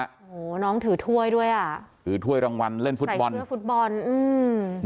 โอ้โหน้องถือถ้วยด้วยอ่ะถือถ้วยรางวัลเล่นฟุตบอลถือฟุตบอลอืม